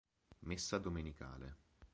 Messa Domenicale.